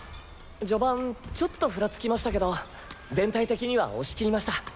序盤ちょっとふらつきましたけど全体的には押し切りました。